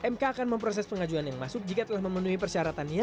mk akan memproses pengajuan yang masuk jika telah dipilih